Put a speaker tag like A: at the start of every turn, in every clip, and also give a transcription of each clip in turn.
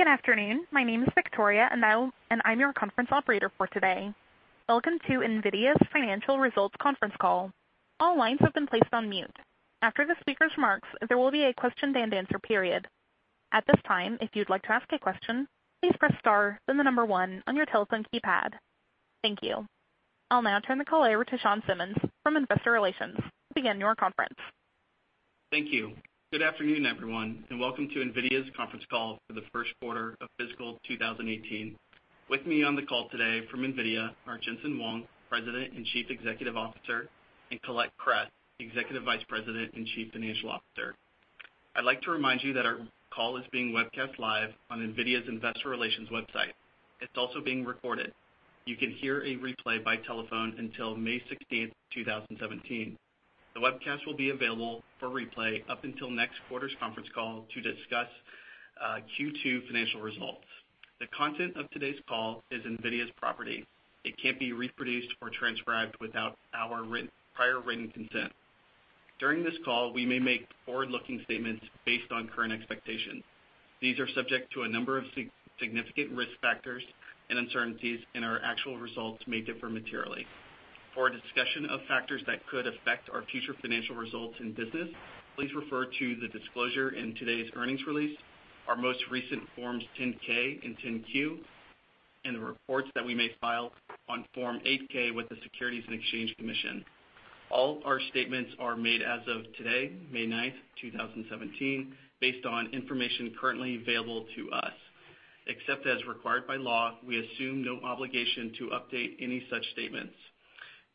A: Good afternoon. My name is Victoria Nell, and I'm your conference operator for today. Welcome to NVIDIA's Financial Results conference call. All lines have been placed on mute. After the speaker's marks, there will be a question-and-answer period. At this time, if you'd like to ask a question, please press star, then the number one on your telephone keypad. Thank you. I'll now turn the call over to Simla Sadaf from Investor Relations to begin your conference.
B: Thank you. Good afternoon, everyone, welcome to NVIDIA's conference call for the first quarter of fiscal 2018. With me on the call today from NVIDIA are Jensen Huang, President and Chief Executive Officer, and Colette Kress, Executive Vice President and Chief Financial Officer. I'd like to remind you that our call is being webcast live on NVIDIA's investor relations website. It's also being recorded. You can hear a replay by telephone until May 16th, 2017. The webcast will be available for replay up until next quarter's conference call to discuss Q2 financial results. The content of today's call is NVIDIA's property. It can't be reproduced or transcribed without our prior written consent. During this call, we may make forward-looking statements based on current expectations. These are subject to a number of significant risk factors and uncertainties, our actual results may differ materially. For a discussion of factors that could affect our future financial results and business, please refer to the disclosure in today's earnings release, our most recent Forms 10-K and 10-Q, and the reports that we may file on Form 8-K with the Securities and Exchange Commission. All our statements are made as of today, May 9th, 2017, based on information currently available to us. Except as required by law, we assume no obligation to update any such statements.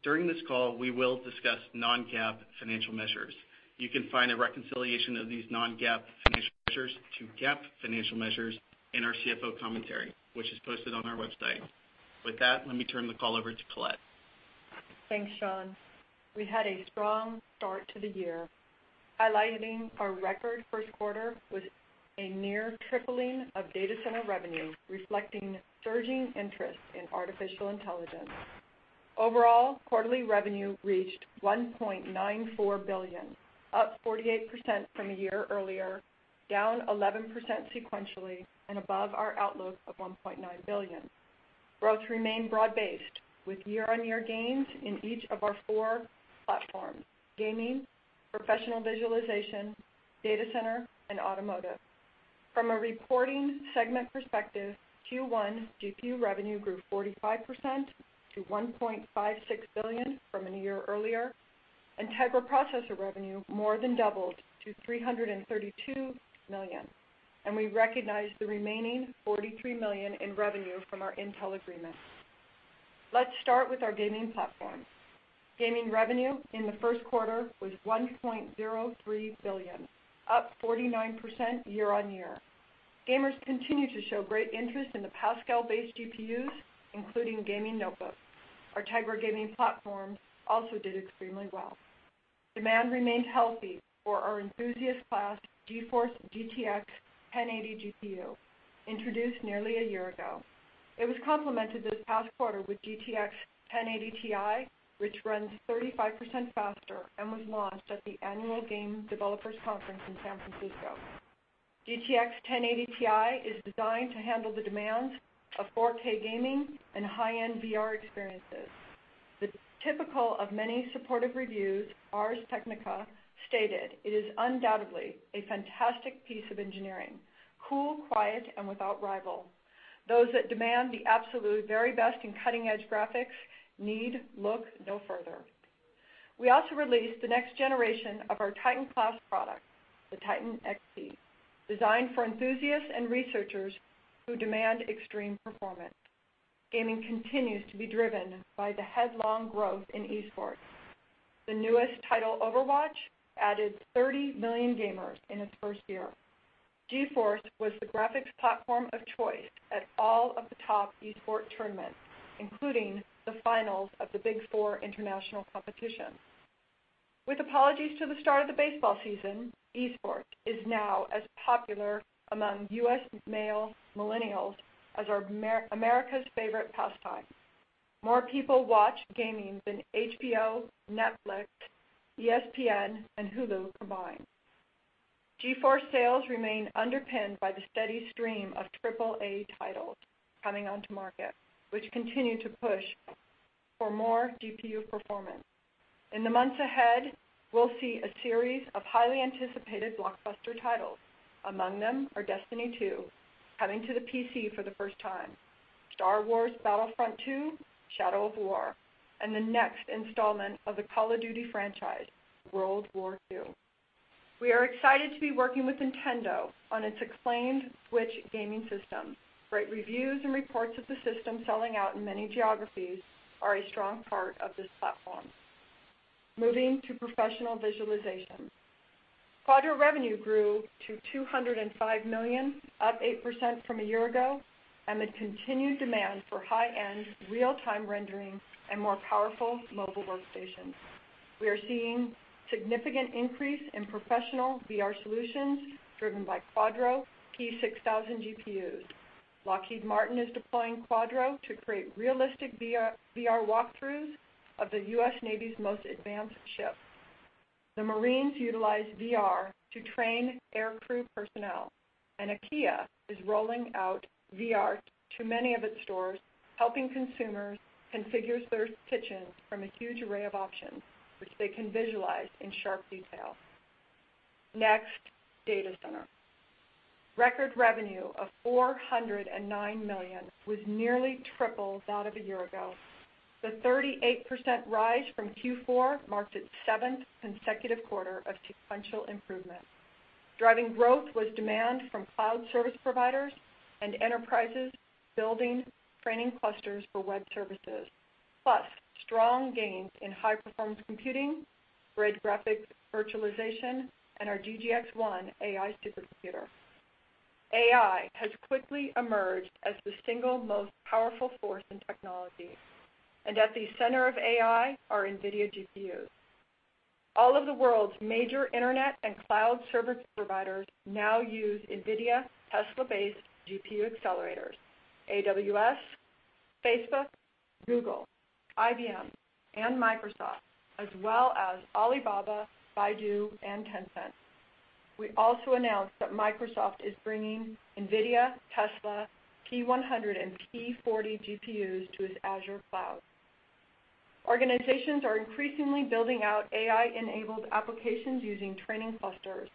B: During this call, we will discuss non-GAAP financial measures. You can find a reconciliation of these non-GAAP financial measures to GAAP financial measures in our CFO commentary, which is posted on our website. With that, let me turn the call over to Colette.
C: Thanks, Simia. We had a strong start to the year, highlighting our record first quarter with a near tripling of data center revenue, reflecting surging interest in artificial intelligence. Overall, quarterly revenue reached $1.94 billion, up 48% from a year earlier, down 11% sequentially, above our outlook of $1.9 billion. Growth remained broad-based with year-on-year gains in each of our four platforms, gaming, professional visualization, data center, and automotive. From a reporting segment perspective, Q1 GPU revenue grew 45% to $1.56 billion from a year earlier, Tegra processor revenue more than doubled to $332 million. We recognized the remaining $43 million in revenue from our Intel agreement. Let's start with our gaming platform. Gaming revenue in the first quarter was $1.03 billion, up 49% year-on-year. Gamers continue to show great interest in the Pascal-based GPUs, including gaming notebooks. Our Tegra gaming platform also did extremely well. Demand remained healthy for our enthusiast class GeForce GTX 1080 GPU, introduced nearly a year ago. It was complemented this past quarter with GTX 1080 Ti, which runs 35% faster and was launched at the annual Game Developers Conference in San Francisco. GTX 1080 Ti is designed to handle the demands of 4K gaming and high-end VR experiences. The typical of many supportive reviews, Ars Technica stated, "It is undoubtedly a fantastic piece of engineering. Cool, quiet, and without rival. Those that demand the absolute very best in cutting-edge graphics need look no further." We also released the next generation of our Titan class product, the Titan Xp, designed for enthusiasts and researchers who demand extreme performance. Gaming continues to be driven by the headlong growth in esports. The newest title, Overwatch, added 30 million gamers in its first year. GeForce was the graphics platform of choice at all of the top esports tournaments, including the finals of the Big Four international competitions. With apologies to the start of the baseball season, esports is now as popular among U.S. male millennials as America's favorite pastime. More people watch gaming than HBO, Netflix, ESPN, and Hulu combined. GeForce sales remain underpinned by the steady stream of triple A titles coming onto market, which continue to push for more GPU performance. In the months ahead, we'll see a series of highly anticipated blockbuster titles. Among them are Destiny 2, coming to the PC for the first time, Star Wars Battlefront II, Shadow of War, and the next installment of the Call of Duty franchise, World War II. We are excited to be working with Nintendo on its acclaimed Switch gaming system. Great reviews and reports of the system selling out in many geographies are a strong part of this platform. Moving to professional visualization. Quadro revenue grew to $205 million, up 8% from a year ago amid continued demand for high-end real-time rendering and more powerful mobile workstations. We are seeing significant increase in professional VR solutions driven by Quadro P6000 GPUs. Lockheed Martin is deploying Quadro to create realistic VR walkthroughs of the U.S. Navy's most advanced ship. The Marines utilize VR to train aircrew personnel, and IKEA is rolling out VR to many of its stores, helping consumers configure their kitchens from a huge array of options, which they can visualize in sharp detail. Next, data center. Record revenue of $409 million was nearly triple that of a year ago. The 38% rise from Q4 marked its seventh consecutive quarter of sequential improvement. Driving growth was demand from cloud service providers and enterprises building training clusters for web services, plus strong gains in high-performance computing, GRID graphics virtualization, and our DGX-1 AI supercomputer. AI has quickly emerged as the single most powerful force in technology, and at the center of AI are NVIDIA GPUs. All of the world's major internet and cloud service providers now use NVIDIA Tesla-based GPU accelerators. AWS, Facebook, Google, IBM, and Microsoft, as well as Alibaba, Baidu, and Tencent. We also announced that Microsoft is bringing NVIDIA Tesla P100 and P40 GPUs to its Azure cloud. Organizations are increasingly building out AI-enabled applications using training clusters,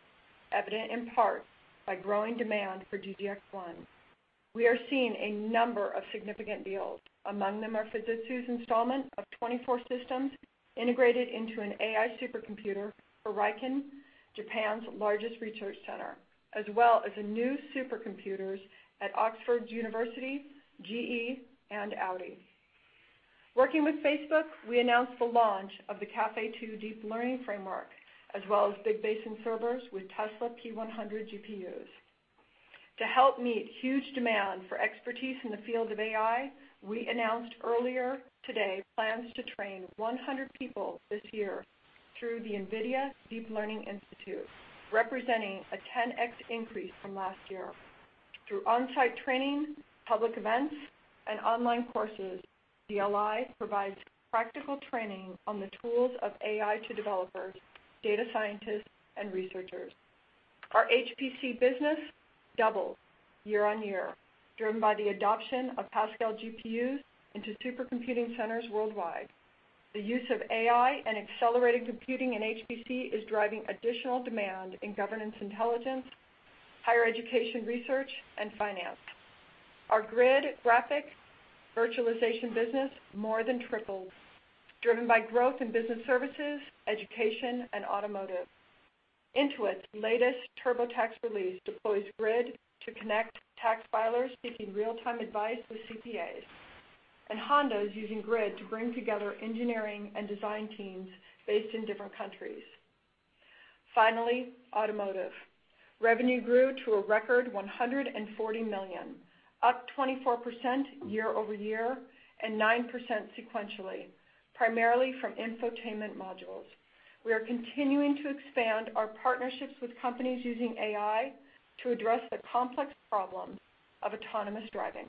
C: evident in part by growing demand for DGX-1. We are seeing a number of significant deals. Among them are Fujitsu's installment of 24 systems integrated into an AI supercomputer for RIKEN, Japan's largest research center, as well as new supercomputers at University of Oxford, GE, and Audi. Working with Facebook, we announced the launch of the Caffe2 deep learning framework, as well as Big Basin Servers with Tesla P100 GPUs. To help meet huge demand for expertise in the field of AI, we announced earlier today plans to train 100 people this year through the NVIDIA Deep Learning Institute, representing a 10x increase from last year. Through on-site training, public events, and online courses, DLI provides practical training on the tools of AI to developers, data scientists, and researchers. Our HPC business doubled year-over-year, driven by the adoption of Pascal GPUs into supercomputing centers worldwide. The use of AI and accelerated computing in HPC is driving additional demand in governance intelligence, higher education research, and finance. Our GRID graphics virtualization business more than tripled, driven by growth in business services, education, and automotive. Intuit's latest TurboTax release deploys GRID to connect tax filers seeking real-time advice with CPAs. Honda is using GRID to bring together engineering and design teams based in different countries. Finally, automotive. Revenue grew to a record $140 million, up 24% year-over-year and 9% sequentially, primarily from infotainment modules. We are continuing to expand our partnerships with companies using AI to address the complex problems of autonomous driving.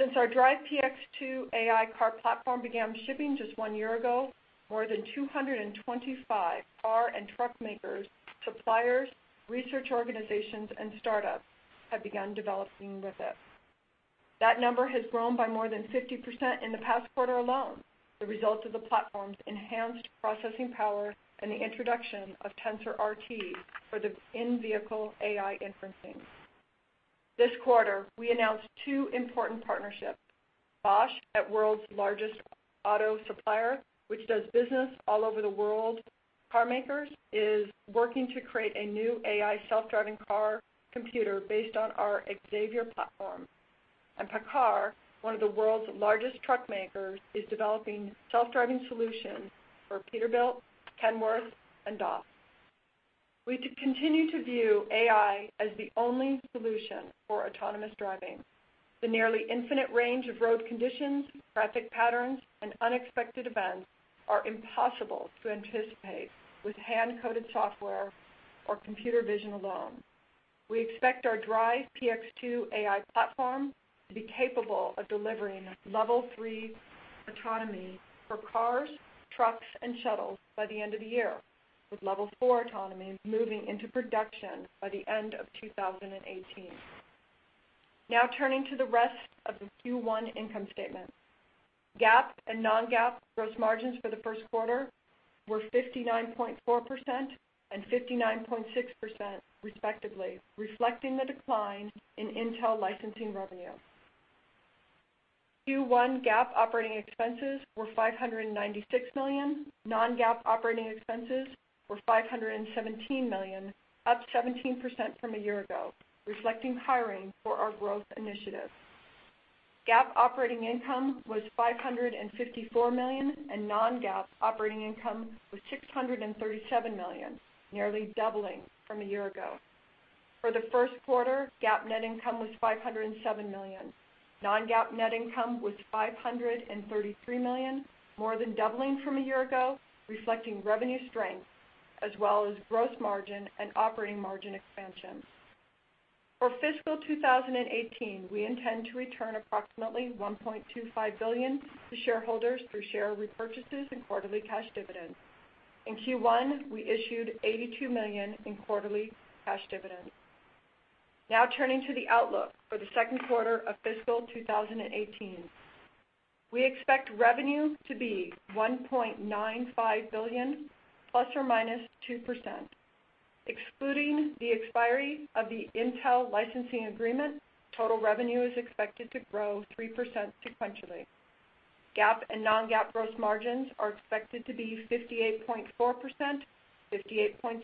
C: Since our DRIVE PX 2 AI car platform began shipping just one year ago, more than 225 car and truck makers, suppliers, research organizations, and startups have begun developing with it. That number has grown by more than 50% in the past quarter alone, the result of the platform's enhanced processing power and the introduction of TensorRT for the in-vehicle AI inferencing. This quarter, we announced two important partnerships. Bosch, a world's largest auto supplier, which does business all over the world with car makers, is working to create a new AI self-driving car computer based on our Xavier platform. PACCAR, one of the world's largest truck makers, is developing self-driving solutions for Peterbilt, Kenworth, and DAF. We continue to view AI as the only solution for autonomous driving. The nearly infinite range of road conditions, traffic patterns, and unexpected events are impossible to anticipate with hand-coded software or computer vision alone. We expect our DRIVE PX 2 AI platform to be capable of delivering level 3 autonomy for cars, trucks, and shuttles by the end of the year, with level 4 autonomy moving into production by the end of 2018. Now turning to the rest of the Q1 income statement. GAAP and non-GAAP gross margins for the first quarter were 59.4% and 59.6% respectively, reflecting the decline in Intel licensing revenue. Q1 GAAP operating expenses were $596 million. Non-GAAP operating expenses were $517 million, up 17% from a year ago, reflecting hiring for our growth initiatives. GAAP operating income was $554 million, and non-GAAP operating income was $637 million, nearly doubling from a year ago. For the first quarter, GAAP net income was $507 million. Non-GAAP net income was $533 million, more than doubling from a year ago, reflecting revenue strength as well as gross margin and operating margin expansions. For fiscal 2018, we intend to return approximately $1.25 billion to shareholders through share repurchases and quarterly cash dividends. In Q1, we issued $82 million in quarterly cash dividends. Turning to the outlook for the second quarter of fiscal 2018. We expect revenue to be $1.95 billion, ±2%. Excluding the expiry of the Intel licensing agreement, total revenue is expected to grow 3% sequentially. GAAP and non-GAAP gross margins are expected to be 58.4%, 58.6%,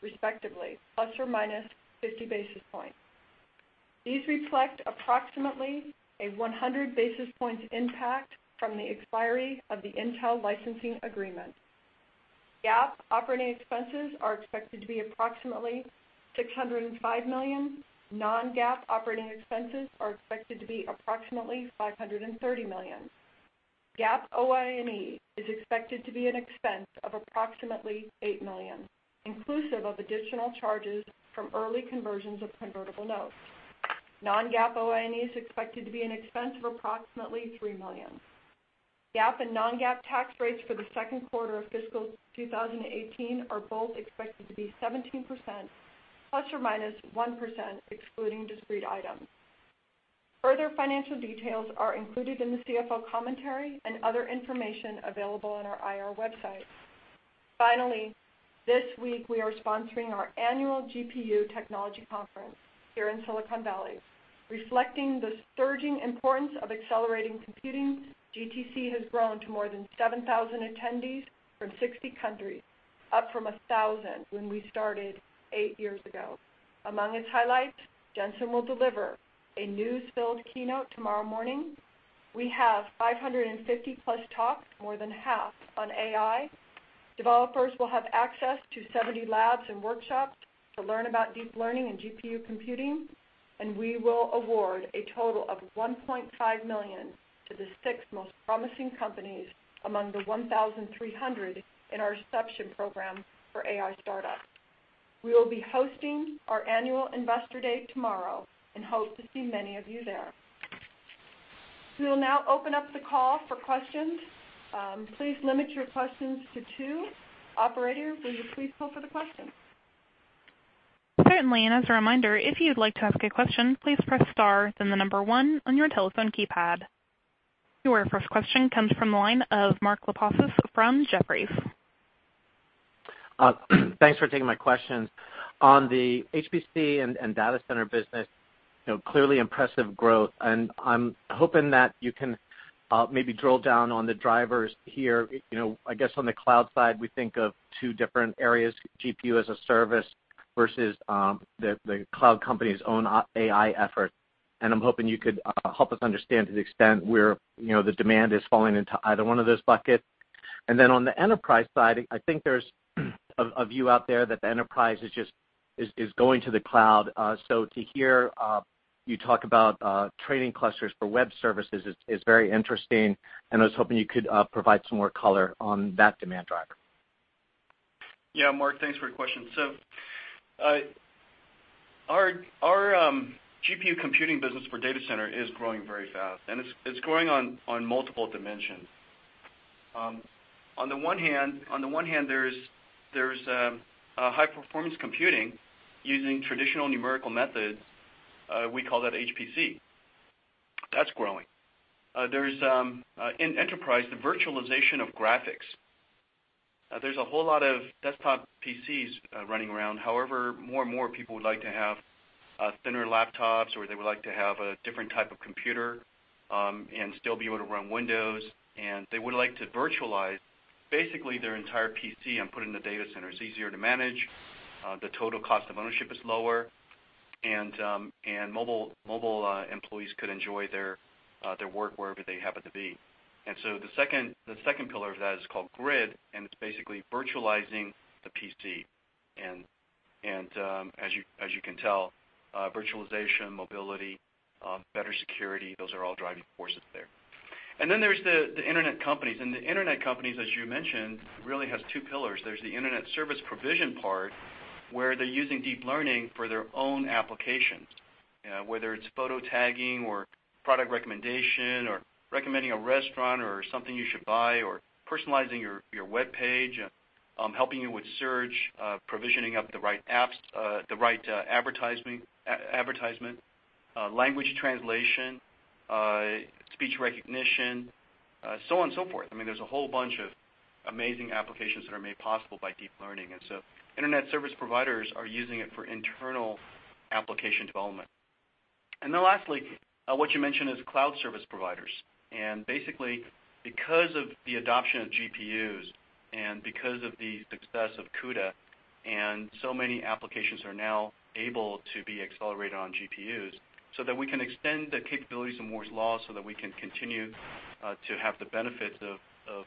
C: respectively, ±50 basis points. These reflect approximately a 100 basis points impact from the expiry of the Intel licensing agreement. GAAP operating expenses are expected to be approximately $605 million. Non-GAAP operating expenses are expected to be approximately $530 million. GAAP OIE is expected to be an expense of approximately $8 million, inclusive of additional charges from early conversions of convertible notes. Non-GAAP OIE is expected to be an expense of approximately $3 million. GAAP and non-GAAP tax rates for the second quarter of fiscal 2018 are both expected to be 17%, ±1%, excluding discrete items. Further financial details are included in the CFO commentary and other information available on our IR website. This week we are sponsoring our annual GPU Technology Conference here in Silicon Valley. Reflecting the surging importance of accelerating computing, GTC has grown to more than 7,000 attendees from 60 countries, up from 1,000 when we started eight years ago. Among its highlights, Jensen will deliver a news-filled keynote tomorrow morning. We have 550+ talks, more than half on AI. Developers will have access to 70 labs and workshops to learn about deep learning and GPU computing. We will award a total of $1.5 million to the six most promising companies among the 1,300 in our Inception program for AI startups. We will be hosting our annual Investor Day tomorrow and hope to see many of you there. We will open up the call for questions. Please limit your questions to two. Operator, will you please poll for the questions?
A: Certainly. As a reminder, if you'd like to ask a question, please press star, then the number one on your telephone keypad. Your first question comes from the line of Mark Lipacis from Jefferies.
D: Thanks for taking my questions. On the HPC and data center business, clearly impressive growth, and I'm hoping that you can maybe drill down on the drivers here. I guess on the cloud side, we think of two different areas, GPU as a service versus the cloud company's own AI effort, and I'm hoping you could help us understand to the extent where the demand is falling into either one of those buckets. Then on the enterprise side, I think there's a view out there that the enterprise is going to the cloud. To hear you talk about training clusters for web services is very interesting, and I was hoping you could provide some more color on that demand driver.
E: Yeah, Mark, thanks for your question. Our GPU computing business for data center is growing very fast, and it's growing on multiple dimensions. On the one hand, there's high-performance computing using traditional numerical methods. We call that HPC. That's growing. There's, in enterprise, the virtualization of graphics. There's a whole lot of desktop PCs running around. However, more and more people would like to have thinner laptops, or they would like to have a different type of computer, and still be able to run Windows, and they would like to virtualize basically their entire PC and put it in the data center. It's easier to manage, the total cost of ownership is lower, and mobile employees could enjoy their work wherever they happen to be. So the second pillar of that is called GRID, and it's basically virtualizing the PC. As you can tell, virtualization, mobility, better security, those are all driving forces there. Then there's the internet companies, and the internet companies, as you mentioned, really has two pillars. There's the internet service provision part, where they're using deep learning for their own applications, whether it's photo tagging or product recommendation or recommending a restaurant or something you should buy or personalizing your web page, helping you with search, provisioning up the right advertisement, language translation, speech recognition, so on and so forth. There's a whole bunch of amazing applications that are made possible by deep learning. So internet service providers are using it for internal application development. Then lastly, what you mentioned is cloud service providers. Basically, because of the adoption of GPUs and because of the success of CUDA, and so many applications are now able to be accelerated on GPUs, so that we can extend the capabilities of Moore's Law so that we can continue to have the benefits of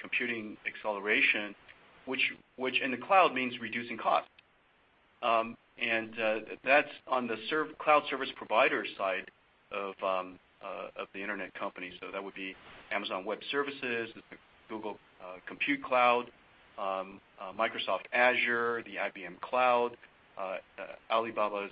E: computing acceleration, which in the cloud means reducing cost. That's on the cloud service provider side of the internet company. That would be Amazon Web Services, the Google Cloud Platform, Microsoft Azure, the IBM Cloud, Alibaba's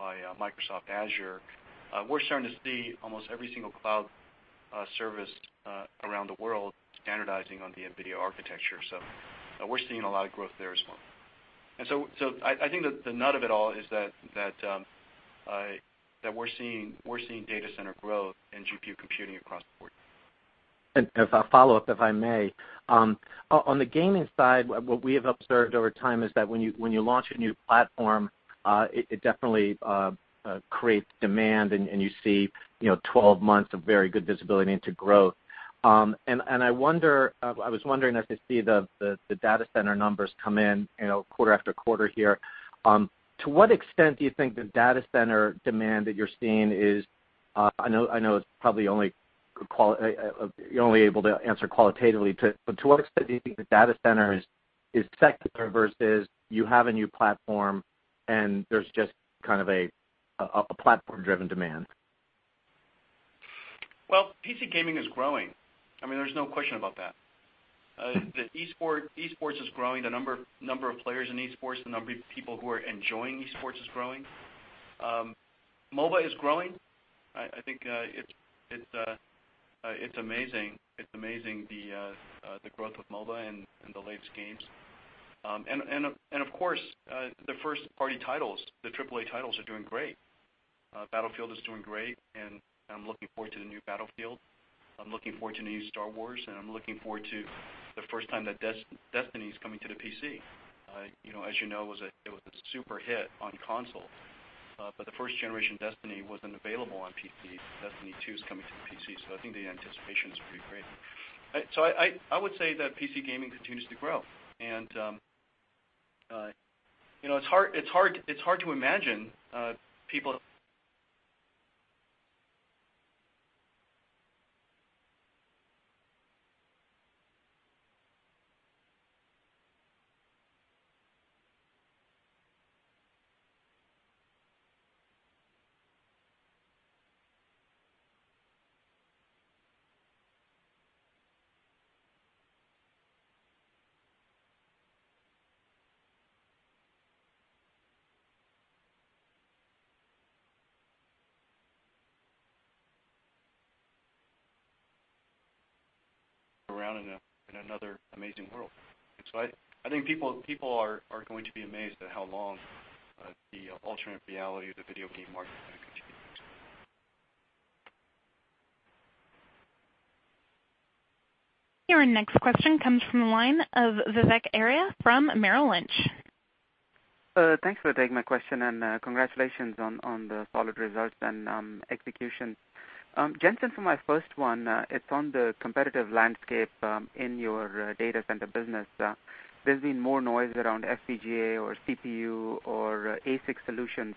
E: Aliyun. We're starting to see almost every single cloud service around the world standardizing on the NVIDIA architecture. We're seeing a lot of growth there as well. So I think that the nut of it all is that we're seeing data center growth in GPU computing across the board.
D: A follow-up, if I may. On the gaming side, what we have observed over time is that when you launch a new platform, it definitely creates demand, and you see 12 months of very good visibility into growth. I was wondering as I see the data center numbers come in quarter after quarter here, to what extent do you think the data center demand that you're seeing is, I know it's probably you're only able to answer qualitatively, but to what extent do you think the data center is secular versus you have a new platform and there's just a platform-driven demand?
E: Well, PC gaming is growing. There's no question about that. The esports is growing, the number of players in esports, the number of people who are enjoying esports is growing. MOBA is growing. I think it's amazing, the growth of MOBA in the latest games. Of course, the first-party titles, the AAA titles are doing great. Battlefield is doing great, I'm looking forward to the new Battlefield. I'm looking forward to the new Star Wars, I'm looking forward to the first time that Destiny's coming to the PC. As you know, it was a super hit on console. The first generation Destiny wasn't available on PC. Destiny 2's coming to the PC, so I think the anticipation is pretty great. I would say that PC gaming continues to grow. It's hard to imagine people around in another amazing world. I think people are going to be amazed at how long the alternate reality of the video game market is going to continue to expand.
A: Your next question comes from the line of Vivek Arya from Merrill Lynch.
F: Thanks for taking my question, and congratulations on the solid results and execution. Jensen, for my first one, it's on the competitive landscape in your data center business. There's been more noise around FPGA or CPU or ASIC solutions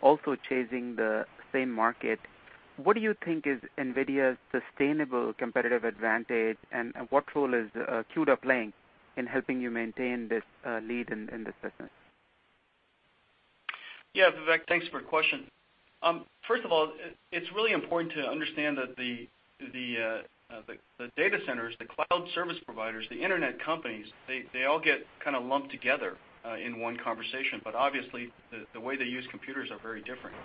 F: also chasing the same market. What do you think is NVIDIA's sustainable competitive advantage, and what role is CUDA playing in helping you maintain this lead in this business?
E: Yeah, Vivek, thanks for your question. First of all, it's really important to understand that the data centers, the cloud service providers, the internet companies, they all get kind of lumped together in one conversation. Obviously, the way they use computers are very different.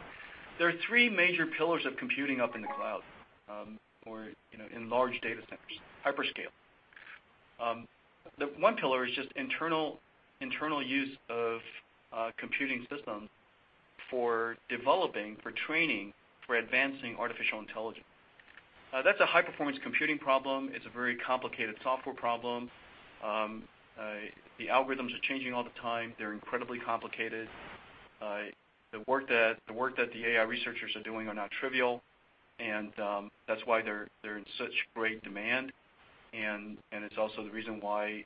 E: There are three major pillars of computing up in the cloud or in large data centers, hyperscale. The one pillar is just internal use of a computing system for developing, for training, for advancing artificial intelligence. That's a high-performance computing problem. It's a very complicated software problem. The algorithms are changing all the time. They're incredibly complicated. The work that the AI researchers are doing are not trivial, and that's why they're in such great demand, and it's also the reason why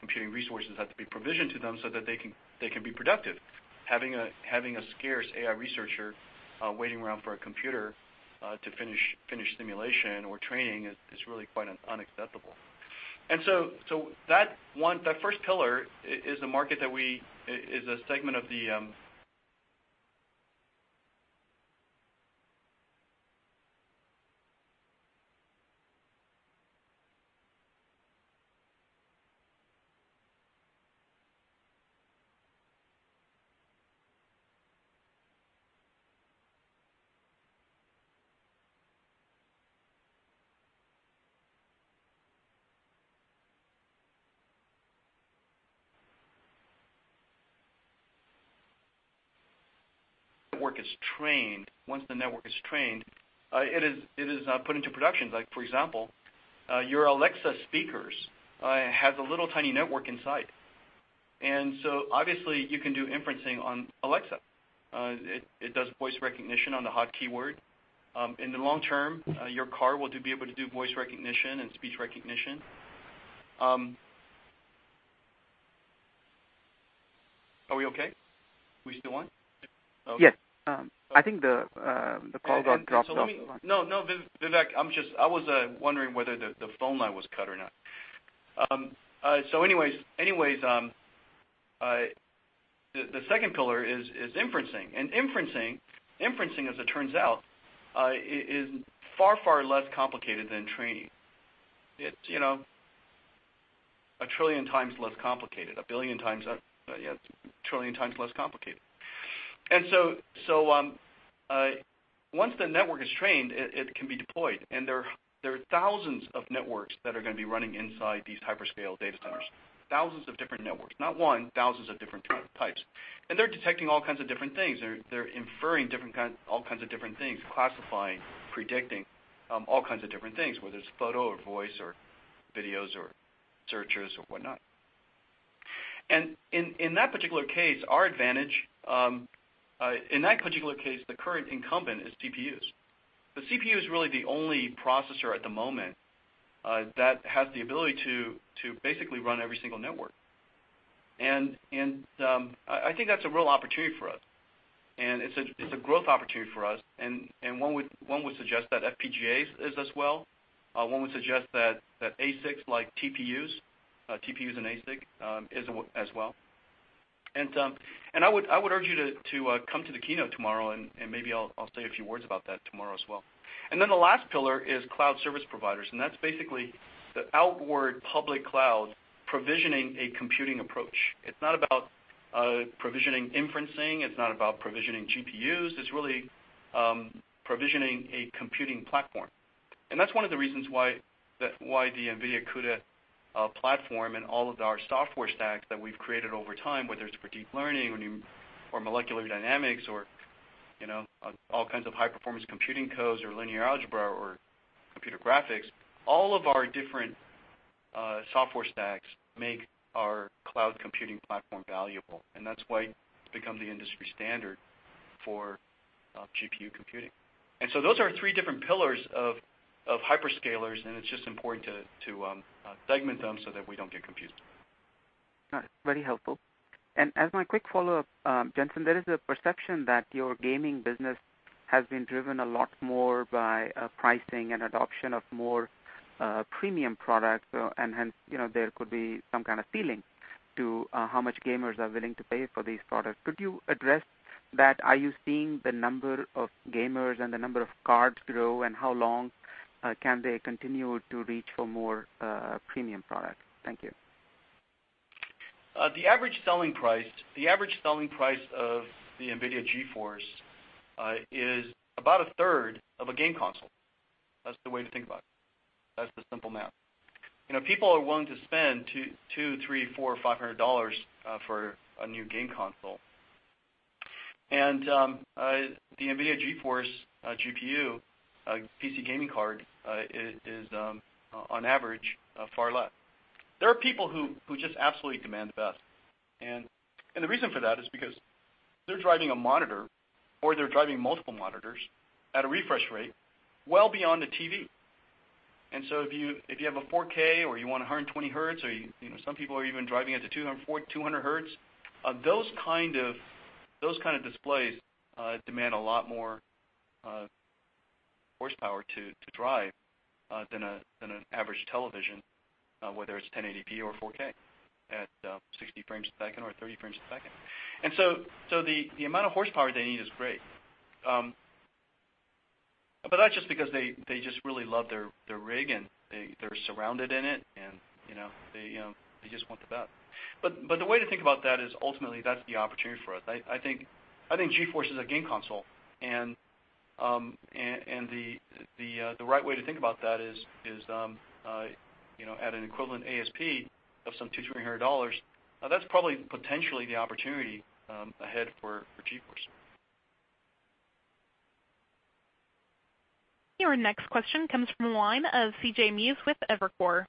E: computing resources have to be provisioned to them so that they can be productive. Having a scarce AI researcher waiting around for a computer to finish simulation or training is really quite unacceptable. That first pillar is a segment of the network is trained, once the network is trained, it is put into production. For example, your Alexa speakers has a little tiny network inside. Obviously you can do inferencing on Alexa. It does voice recognition on the hot keyword. In the long term, your car will be able to do voice recognition and speech recognition. Are we okay? Are we still on?
F: Yes. I think the call got dropped off.
E: No, Vivek Arya, I was wondering whether the phone line was cut or not. Anyways, the second pillar is inferencing. Inferencing, as it turns out, is far, far less complicated than training. It's a trillion times less complicated, a billion times, a trillion times less complicated. Once the network is trained, it can be deployed. There are thousands of networks that are going to be running inside these hyperscale data centers, thousands of different networks. Not one, thousands of different types. They're detecting all kinds of different things. They're inferring all kinds of different things, classifying, predicting all kinds of different things, whether it's photo or voice or videos or searches or whatnot. In that particular case, the current incumbent is CPUs. The CPU is really the only processor at the moment that has the ability to basically run every single network. I think that's a real opportunity for us, and it's a growth opportunity for us. One would suggest that FPGAs is as well. One would suggest that ASICs like TPUs and ASIC, as well. I would urge you to come to the keynote tomorrow, and maybe I'll say a few words about that tomorrow as well. The last pillar is cloud service providers, and that's basically the outward public cloud provisioning a computing approach. It's not about provisioning inferencing, it's not about provisioning GPUs, it's really provisioning a computing platform. That's one of the reasons why the NVIDIA CUDA platform and all of our software stacks that we've created over time, whether it's for deep learning or molecular dynamics or all kinds of high-performance computing codes or linear algebra or computer graphics, all of our different software stacks make our cloud computing platform valuable. That's why it's become the industry standard for GPU computing. Those are our three different pillars of hyperscalers, and it's just important to segment them so that we don't get confused.
F: Got it. Very helpful. As my quick follow-up, Jensen, there is a perception that your gaming business has been driven a lot more by pricing and adoption of more premium products, and hence, there could be some kind of ceiling to how much gamers are willing to pay for these products. Could you address that? Are you seeing the number of gamers and the number of cards grow, and how long can they continue to reach for more premium product? Thank you.
E: The average selling price of the NVIDIA GeForce is about a third of a game console. That's the way to think about it. That's the simple math. People are willing to spend $200, $300, $400, or $500 for a new game console. The NVIDIA GeForce GPU PC gaming card is, on average, far less. There are people who just absolutely demand the best. The reason for that is because they're driving a monitor, or they're driving multiple monitors at a refresh rate well beyond a TV. If you have a 4K or you want 120 hertz, or some people are even driving at 200 hertz, those kind of displays demand a lot more horsepower to drive than an average television, whether it's 1080p or 4K at 60 frames a second or 30 frames a second. The amount of horsepower they need is great. That's just because they just really love their rig and they're surrounded in it and they just want the best. The way to think about that is ultimately that's the opportunity for us. I think GeForce is a game console, and the right way to think about that is at an equivalent ASP of some $200-$300, that's probably potentially the opportunity ahead for GeForce.
A: Your next question comes from the line of C.J. Muse with Evercore.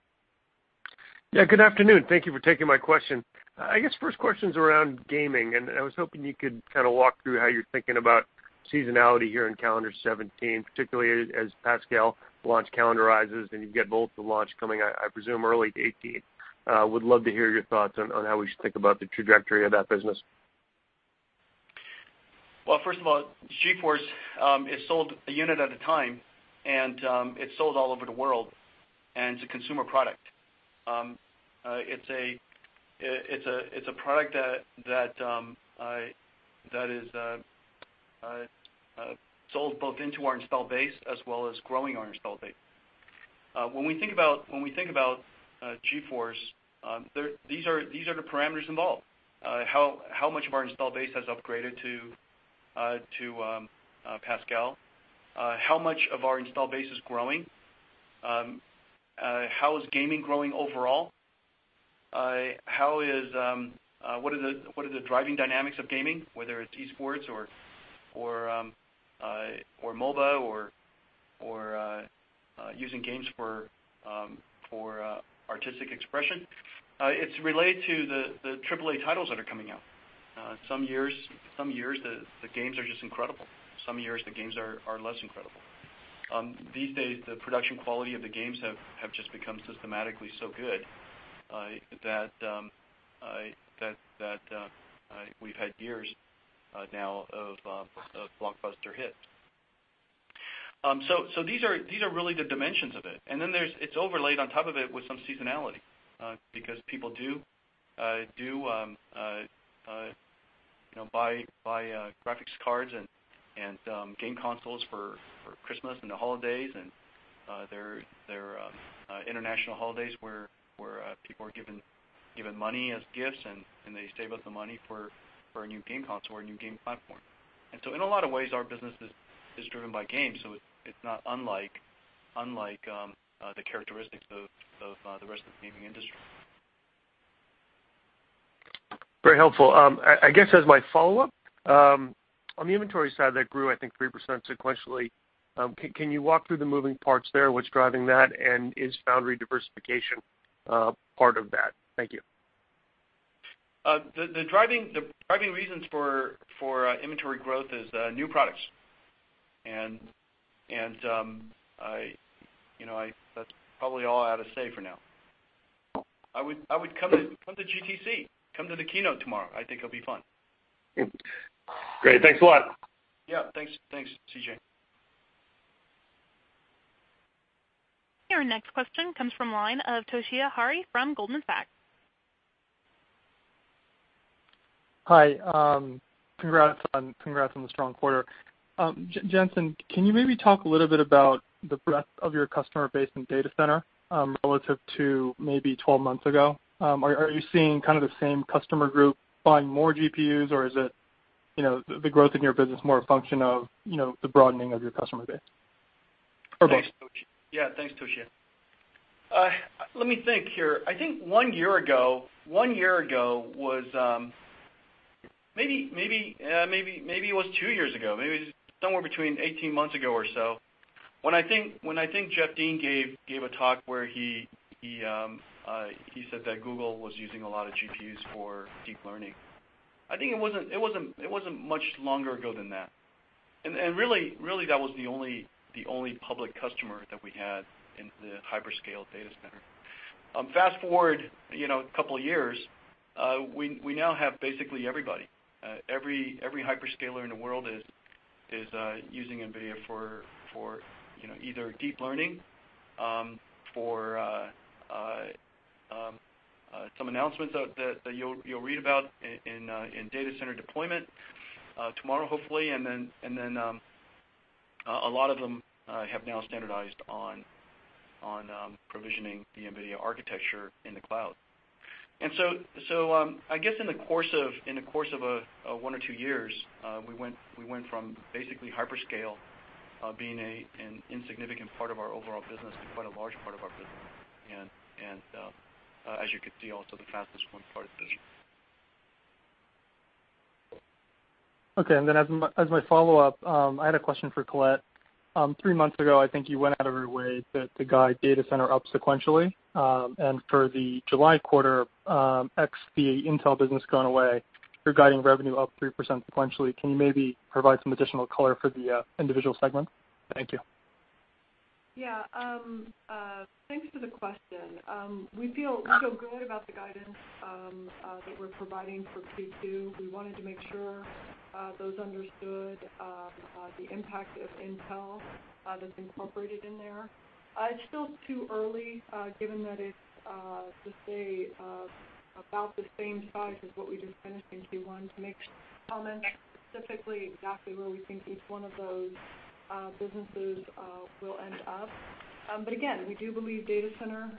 G: Yeah, good afternoon. Thank you for taking my question. I guess first question's around gaming. I was hoping you could walk through how you're thinking about seasonality here in calendar 2017, particularly as Pascal launch calendarizes and you get both the launch coming, I presume, early 2018. Would love to hear your thoughts on how we should think about the trajectory of that business.
E: Well, first of all, GeForce is sold a unit at a time. It's sold all over the world, and it's a consumer product. It's a product that is sold both into our installed base as well as growing our installed base. When we think about GeForce, these are the parameters involved. How much of our installed base has upgraded to Pascal? How much of our installed base is growing? How is gaming growing overall? What are the driving dynamics of gaming, whether it's esports or MOBA or using games for artistic expression? It's related to the AAA titles that are coming out. Some years, the games are just incredible. Some years the games are less incredible. These days, the production quality of the games have just become systematically so good that we've had years now of blockbuster hits. These are really the dimensions of it. Then it's overlaid on top of it with some seasonality, because people do buy graphics cards and game consoles for Christmas and the holidays. There are international holidays where people are given money as gifts, and they save up the money for a new game console or a new game platform. In a lot of ways, our business is driven by games, so it's not unlike the characteristics of the rest of the gaming industry.
G: Very helpful. I guess as my follow-up, on the inventory side, that grew, I think, 3% sequentially. Can you walk through the moving parts there, what's driving that, and is foundry diversification part of that? Thank you.
E: The driving reasons for inventory growth is new products. That's probably all I ought to say for now. Come to GTC. Come to the keynote tomorrow. I think it'll be fun.
G: Great. Thanks a lot.
E: Yeah. Thanks, C.J.
A: Your next question comes from the line of Toshiya Hari from Goldman Sachs.
H: Hi. Congrats on the strong quarter. Jensen, can you maybe talk a little bit about the breadth of your customer base in data center, relative to maybe 12 months ago? Are you seeing kind of the same customer group buying more GPUs, or is the growth in your business more a function of the broadening of your customer base?
E: Yeah. Thanks, Toshiya. Let me think here. I think one year ago, maybe it was two years ago, maybe it was somewhere between 18 months ago or so, when I think Jeff Dean gave a talk where he said that Google was using a lot of GPUs for deep learning. I think it wasn't much longer ago than that. Really, that was the only public customer that we had in the hyperscale data center. Fast-forward a couple of years, we now have basically everybody. Every hyperscaler in the world is using NVIDIA for either deep learning, for some announcements that you'll read about in data center deployment tomorrow, hopefully. Then a lot of them have now standardized on provisioning the NVIDIA architecture in the cloud. I guess in the course of one or two years, we went from basically hyperscale being an insignificant part of our overall business to quite a large part of our business, and as you can see, also the fastest growing part of the business.
H: Okay. Then as my follow-up, I had a question for Colette. Three months ago, I think you went out of your way to guide data center up sequentially. For the July quarter, ex the Intel business gone away, you're guiding revenue up 3% sequentially. Can you maybe provide some additional color for the individual segment? Thank you.
C: Yeah. Thanks for the question. We feel good about the guidance that we're providing for Q2. We wanted to make sure those understood the impact of Intel that's incorporated in there. It's still too early, given that it's, to say, about the same size as what we just finished in Q1 to make comments specifically exactly where we think each one of those businesses will end up. Again, we do believe data center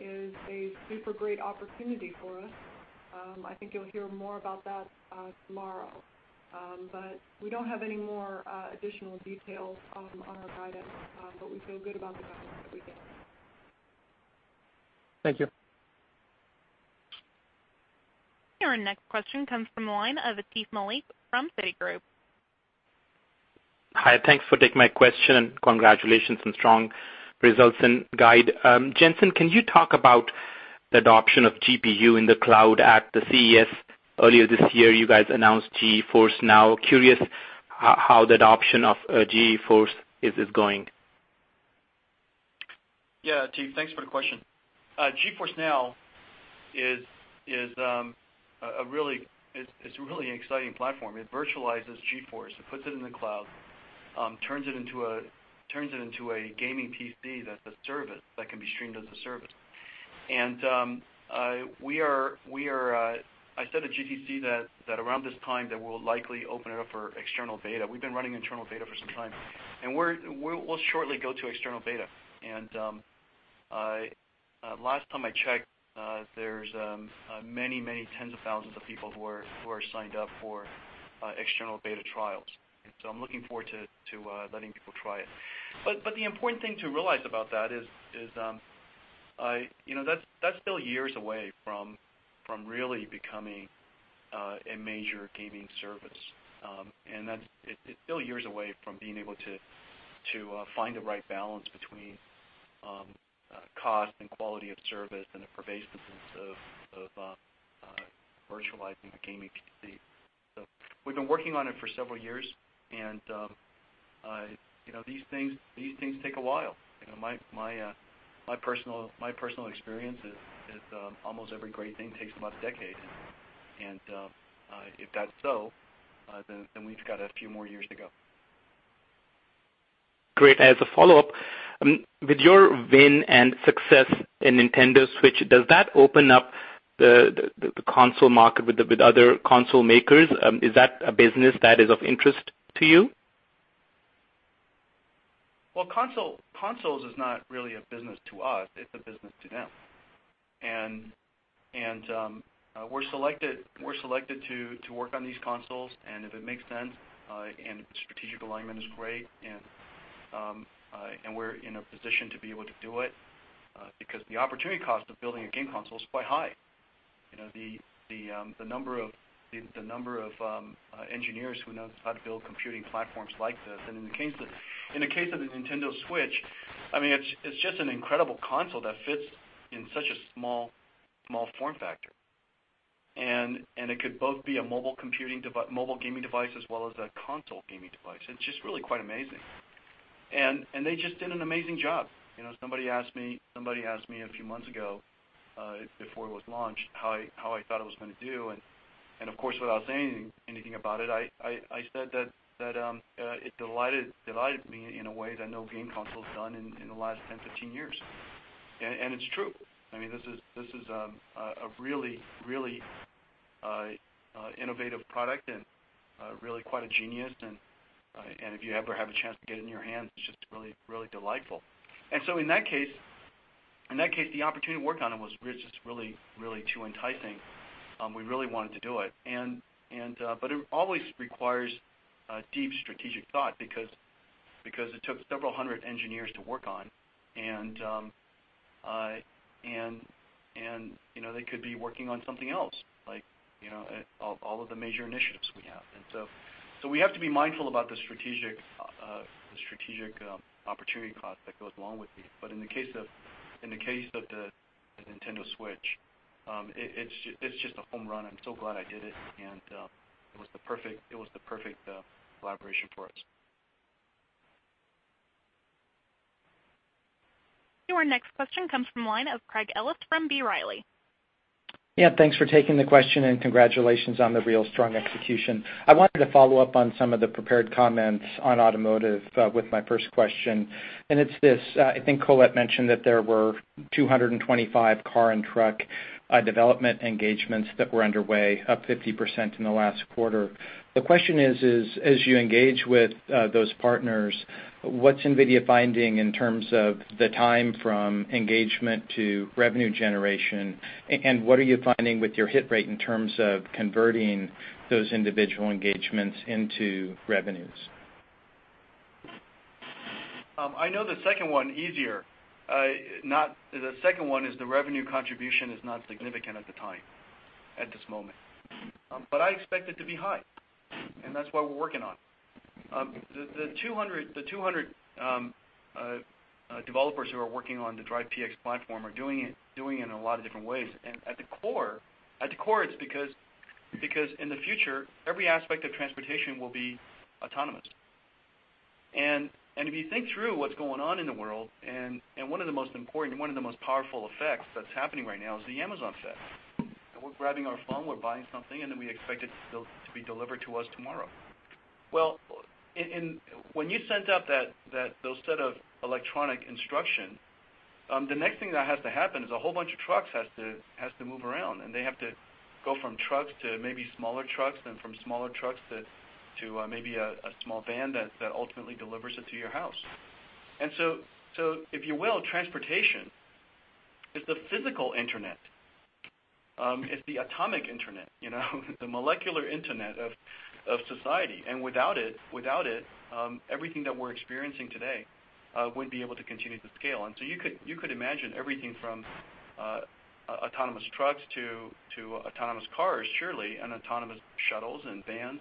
C: is a super great opportunity for us. I think you'll hear more about that tomorrow. We don't have any more additional details on our guidance, but we feel good about the guidance that we gave.
H: Thank you.
A: Your next question comes from the line of Atif Malik from Citigroup.
I: Hi. Thanks for taking my question, congratulations on strong results and guide. Jensen, can you talk about the adoption of GPU in the cloud at the CES earlier this year, you guys announced GeForce NOW. Curious how the adoption of GeForce is going.
E: Yeah, Atif, thanks for the question. GeForce NOW is really an exciting platform. It virtualizes GeForce, it puts it in the cloud, turns it into a gaming PC that can be streamed as a service. I said at GTC that around this time that we'll likely open it up for external beta. We've been running internal beta for some time. We'll shortly go to external beta, and last time I checked, there's many tens of thousands of people who are signed up for external beta trials. I'm looking forward to letting people try it. The important thing to realize about that is that's still years away from really becoming a major gaming service. It's still years away from being able to find the right balance between cost and quality of service, and the pervasiveness of virtualizing a gaming PC. We've been working on it for several years, and these things take a while. My personal experience is almost every great thing takes about a decade, and if that's so, then we've got a few more years to go.
I: Great. As a follow-up, with your win and success in Nintendo Switch, does that open up the console market with other console makers? Is that a business that is of interest to you?
E: Well, consoles is not really a business to us, it's a business to them. We're selected to work on these consoles, and if it makes sense, and strategic alignment is great, and we're in a position to be able to do it, because the opportunity cost of building a game console is quite high. The number of engineers who know how to build computing platforms like this. In the case of the Nintendo Switch, it's just an incredible console that fits in such a small form factor, and it could both be a mobile gaming device as well as a console gaming device. It's just really quite amazing. They just did an amazing job. Somebody asked me a few months ago, before it was launched, how I thought it was going to do. Of course, without saying anything about it, I said that it delighted me in a way that no game console's done in the last 10, 15 years. It's true. This is a really innovative product and really quite a genius, and if you ever have a chance to get it in your hands, it's just really delightful. In that case, the opportunity to work on it was just really too enticing. We really wanted to do it. It always requires deep strategic thought, because it took several hundred engineers to work on, and they could be working on something else, like all of the major initiatives we have. We have to be mindful about the strategic opportunity cost that goes along with these. In the case of the Nintendo Switch, it's just a home run. I'm so glad I did it, and it was the perfect collaboration for us.
A: Your next question comes from the line of Craig Ellis from B. Riley.
J: Yeah, thanks for taking the question. Congratulations on the real strong execution. I wanted to follow up on some of the prepared comments on automotive with my first question. It's this. I think Colette mentioned that there were 225 car and truck development engagements that were underway, up 50% in the last quarter. The question is, as you engage with those partners, what's NVIDIA finding in terms of the time from engagement to revenue generation, and what are you finding with your hit rate in terms of converting those individual engagements into revenues?
E: I know the second one easier. The second one is the revenue contribution is not significant at the time, at this moment. I expect it to be high, and that's what we're working on. The 200 developers who are working on the DRIVE PX platform are doing it in a lot of different ways. At the core, it's because in the future, every aspect of transportation will be autonomous. If you think through what's going on in the world, one of the most powerful effects that's happening right now is the Amazon effect. We're grabbing our phone, we're buying something, and then we expect it to be delivered to us tomorrow. Well, when you sent out those set of electronic instruction, the next thing that has to happen is a whole bunch of trucks has to move around, and they have to go from trucks to maybe smaller trucks, then from smaller trucks to maybe a small van that ultimately delivers it to your house. If you will, transportation is the physical internet. It's the atomic internet, the molecular internet of society. Without it, everything that we're experiencing today wouldn't be able to continue to scale. You could imagine everything from autonomous trucks to autonomous cars, surely, and autonomous shuttles and vans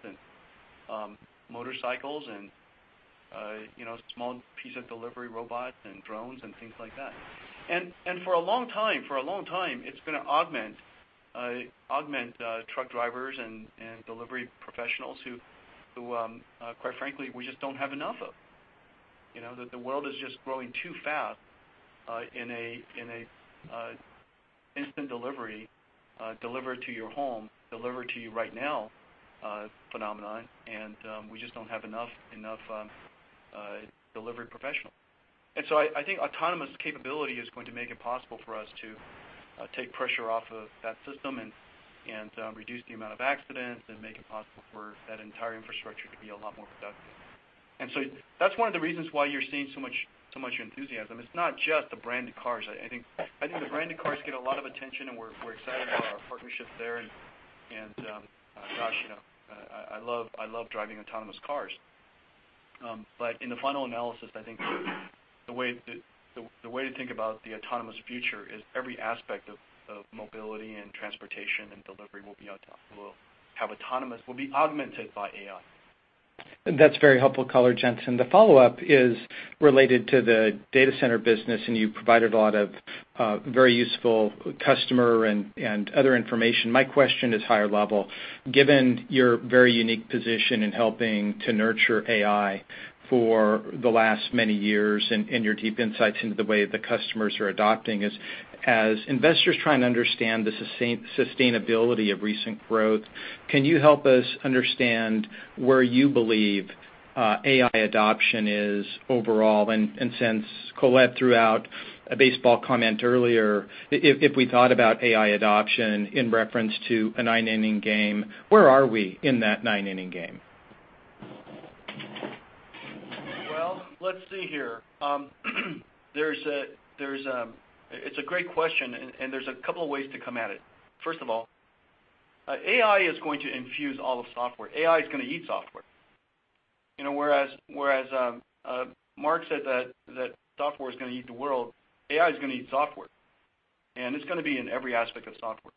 E: and motorcycles and small pizza delivery robot and drones and things like that. For a long time, it's going to augment truck drivers and delivery professionals who, quite frankly, we just don't have enough of. The world is just growing too fast in an instant delivery, delivered to your home, delivered to you right now phenomenon, and we just don't have enough delivery professionals. I think autonomous capability is going to make it possible for us to take pressure off of that system and reduce the amount of accidents and make it possible for that entire infrastructure to be a lot more productive. That's one of the reasons why you're seeing so much enthusiasm. It's not just the branded cars. I think the branded cars get a lot of attention, and we're excited about our partnership there, and gosh, I love driving autonomous cars. In the final analysis, I think the way to think about the autonomous future is every aspect of mobility and transportation and delivery will be augmented by AI.
J: That's very helpful color, Jensen. The follow-up is related to the data center business, and you provided a lot of very useful customer and other information. My question is higher level. Given your very unique position in helping to nurture AI for the last many years and your deep insights into the way the customers are adopting it, as investors try and understand the sustainability of recent growth, can you help us understand where you believe AI adoption is overall? Since Colette threw out a baseball comment earlier, if we thought about AI adoption in reference to a nine-inning game, where are we in that nine-inning game?
E: Well, let's see here. It's a great question. There's a couple of ways to come at it. First of all, AI is going to infuse all of software. AI is going to eat software. Whereas Mark said that software is going to eat the world, AI is going to eat software. It's going to be in every aspect of software.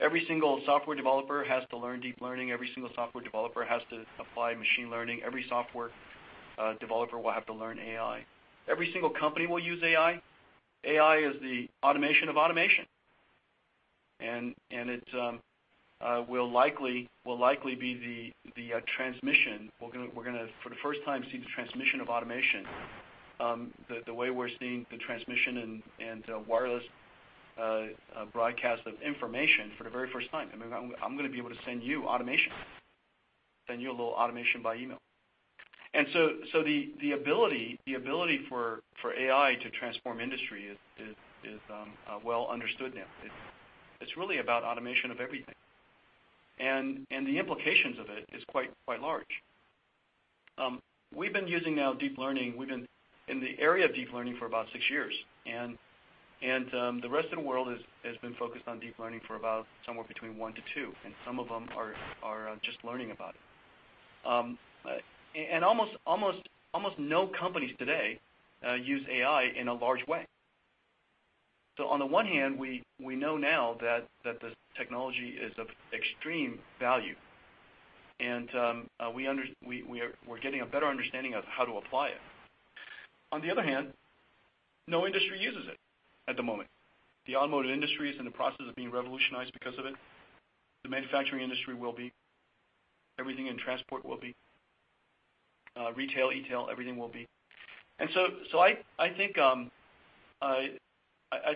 E: Every single software developer has to learn deep learning. Every single software developer has to apply machine learning. Every software developer will have to learn AI. Every single company will use AI. AI is the automation of automation, and it will likely be the transmission. We're going to, for the first time, see the transmission of automation, the way we're seeing the transmission and wireless broadcast of information for the very first time. I'm going to be able to send you automation, send you a little automation by email. The ability for AI to transform industry is well understood now. It's really about automation of everything. The implications of it is quite large. We've been using now deep learning. We've been in the area of deep learning for about six years. The rest of the world has been focused on deep learning for about somewhere between one to two, and some of them are just learning about it. Almost no companies today use AI in a large way. On the one hand, we know now that the technology is of extreme value. We're getting a better understanding of how to apply it. On the other hand, no industry uses it at the moment. The automotive industry is in the process of being revolutionized because of it. The manufacturing industry will be. Everything in transport will be. Retail, e-tail, everything will be. I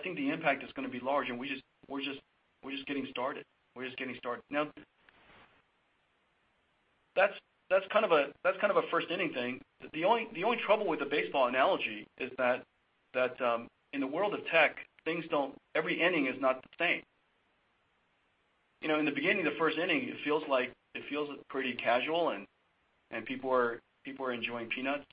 E: think the impact is going to be large. We're just getting started. Now, that's kind of a first inning thing. The only trouble with the baseball analogy is that in the world of tech, every inning is not the same. In the beginning of the first inning, it feels pretty casual. People are enjoying peanuts.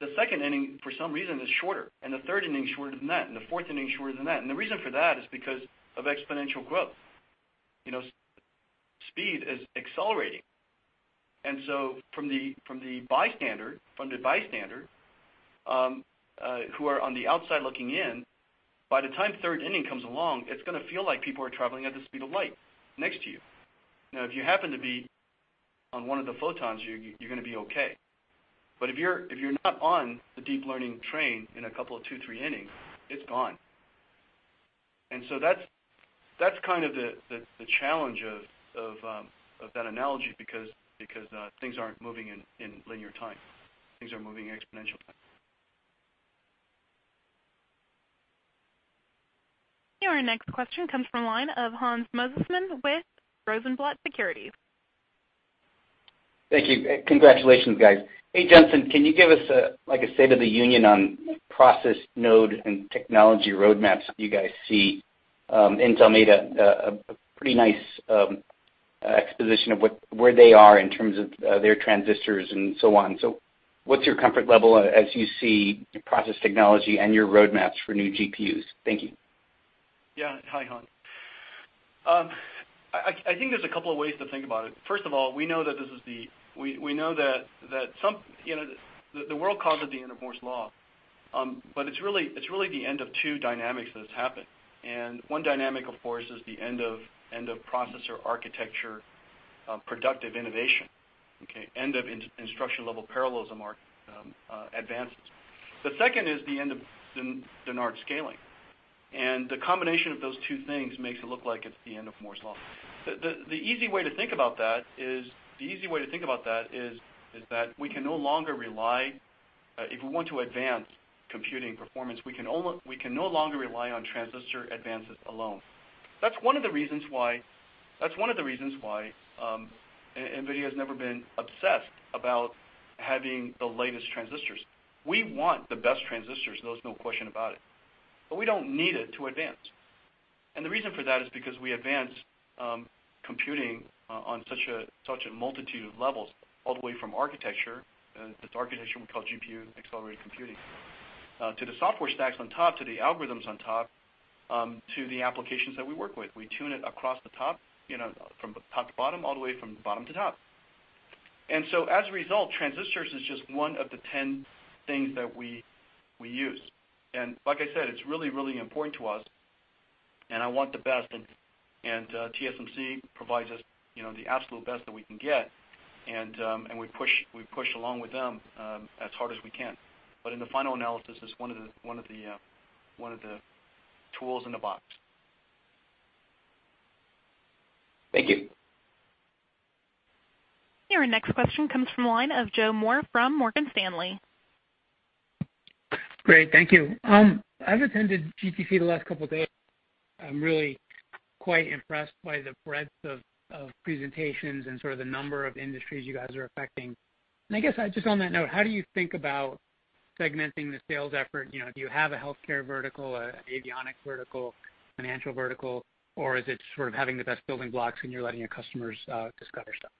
E: The second inning, for some reason, is shorter. The third inning is shorter than that. The fourth inning is shorter than that. The reason for that is because of exponential growth. Speed is accelerating. From the bystander who are on the outside looking in, by the time third inning comes along, it's going to feel like people are traveling at the speed of light next to you. Now, if you happen to be on one of the photons, you're going to be okay. If you're not on the deep learning train in a couple of two, three innings, it's gone. That's kind of the challenge of that analogy because things aren't moving in linear time. Things are moving in exponential time.
A: Your next question comes from the line of Hans Mosesmann with Rosenblatt Securities.
K: Thank you. Congratulations, guys. Hey, Jensen, can you give us a state of the union on process node and technology roadmaps that you guys see? Intel made a pretty nice exposition of where they are in terms of their transistors and so on. What's your comfort level as you see process technology and your roadmaps for new GPUs? Thank you.
E: Yeah. Hi, Hans. I think there's a couple of ways to think about it. First of all, we know that the world calls it the end of Moore's Law, but it's really the end of two dynamics that has happened. One dynamic, of course, is the end of processor architecture productive innovation. End of instruction-level parallelism advances. The second is the end of Dennard scaling, and the combination of those two things makes it look like it's the end of Moore's Law. The easy way to think about that is that if we want to advance computing performance, we can no longer rely on transistor advances alone. That's one of the reasons why NVIDIA has never been obsessed about having the latest transistors. We want the best transistors, there's no question about it. We don't need it to advance. The reason for that is because we advanced computing on such a multitude of levels, all the way from architecture, this architecture we call GPU-accelerated computing, to the software stacks on top, to the algorithms on top, to the applications that we work with. We tune it from the top to bottom, all the way from the bottom to top. As a result, transistors is just one of the 10 things that we use. Like I said, it's really, really important to us, and I want the best, and TSMC provides us the absolute best that we can get. We push along with them as hard as we can. In the final analysis, it's one of the tools in the box.
K: Thank you.
A: Your next question comes from the line of Joseph Moore from Morgan Stanley.
L: Great. Thank you. I've attended GTC the last couple of days. I'm really quite impressed by the breadth of presentations and sort of the number of industries you guys are affecting. I guess just on that note, how do you think about segmenting the sales effort? Do you have a healthcare vertical, an avionic vertical, financial vertical, or is it sort of having the best building blocks and you're letting your customers discover stuff?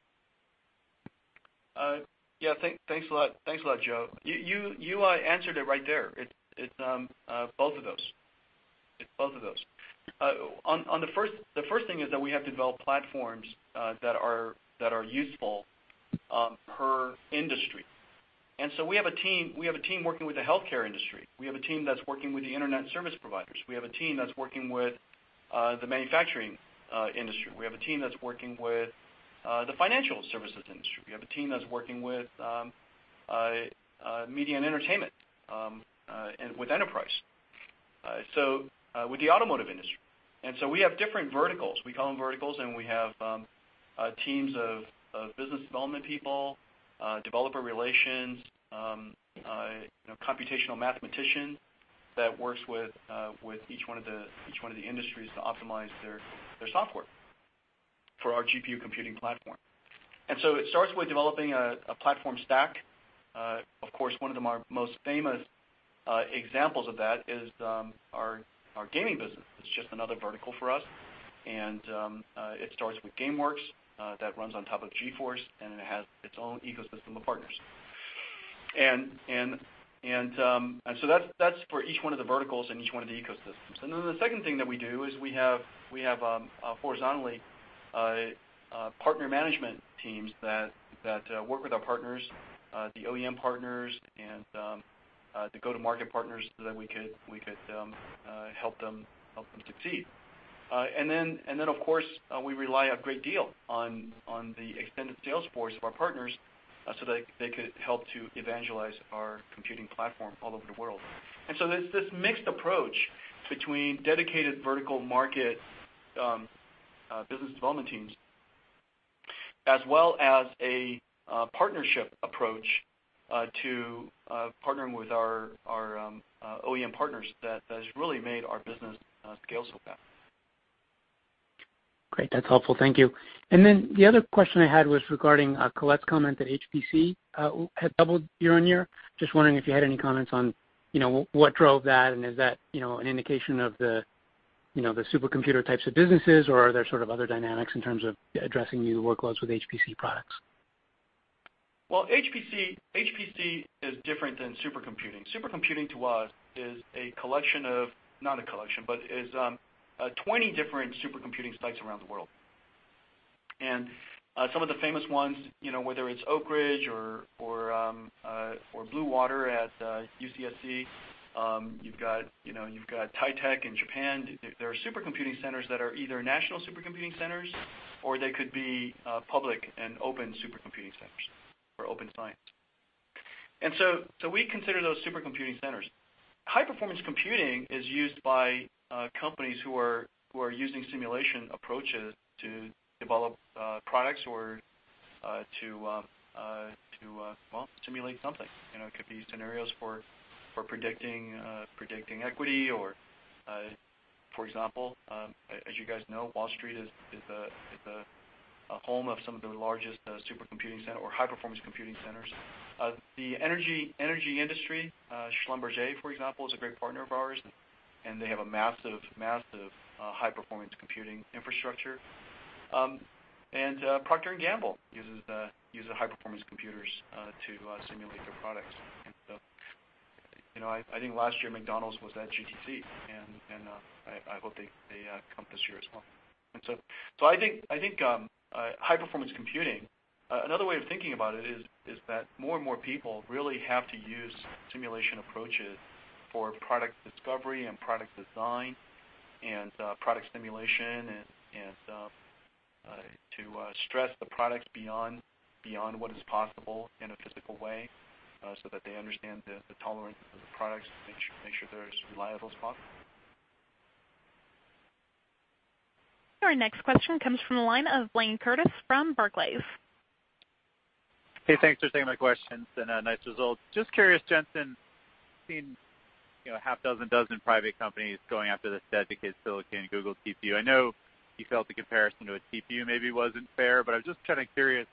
E: Yeah. Thanks a lot, Joe. You answered it right there. It's both of those. The first thing is that we have developed platforms that are useful per industry. We have a team working with the healthcare industry. We have a team that's working with the internet service providers. We have a team that's working with the manufacturing industry. We have a team that's working with the financial services industry. We have a team that's working with media and entertainment, and with enterprise. So with the automotive industry. We have different verticals. We call them verticals, and we have teams of business development people, developer relations, computational mathematicians that works with each one of the industries to optimize their software for our GPU computing platform. It starts with developing a platform stack. Of course, one of our most famous examples of that is our gaming business. It's just another vertical for us, and it starts with GameWorks that runs on top of GeForce, and it has its own ecosystem of partners. That's for each one of the verticals and each one of the ecosystems. The second thing that we do is we have horizontally partner management teams that work with our partners, the OEM partners, and the go-to-market partners so that we could help them succeed. Of course, we rely a great deal on the extended sales force of our partners so that they could help to evangelize our computing platform all over the world. There's this mixed approach between dedicated vertical market business development teams, as well as a partnership approach to partnering with our OEM partners that has really made our business scale so fast.
L: Great. That's helpful. Thank you. The other question I had was regarding Colette's comment that HPC had doubled year-over-year. Just wondering if you had any comments on what drove that, and is that an indication of the supercomputer types of businesses, or are there sort of other dynamics in terms of addressing new workloads with HPC products?
E: Well, HPC is different than supercomputing. Supercomputing to us is 20 different supercomputing sites around the world. Some of the famous ones, whether it's Oak Ridge or Blue Waters at UIUC, you've got AIST in Japan. There are supercomputing centers that are either national supercomputing centers, or they could be public and open supercomputing centers for open science. We consider those supercomputing centers. High-performance computing is used by companies who are using simulation approaches to develop products or to, well, simulate something. It could be scenarios for predicting equity or, for example, as you guys know, Wall Street is a home of some of the largest supercomputing center or high-performance computing centers. The energy industry, Schlumberger, for example, is a great partner of ours, and they have a massive high-performance computing infrastructure. Procter & Gamble uses high-performance computers to simulate their products. I think last year McDonald's was at GTC, and I hope they come this year as well. I think high-performance computing, another way of thinking about it is that more and more people really have to use simulation approaches for product discovery and product design and product simulation and to stress the products beyond what is possible in a physical way so that they understand the tolerance of the products, make sure they're as reliable as possible.
A: Our next question comes from the line of Blayne Curtis from Barclays.
M: Hey, thanks for taking my questions, and nice results. Just curious, Jensen, seen a half dozen private companies going after this dedicated silicon Google TPU. I know you felt the comparison to a TPU maybe wasn't fair, but I'm just kind of curious